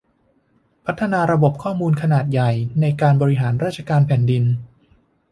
พัฒนาระบบข้อมูลขนาดใหญ่ในการบริหารราชการแผ่นดิน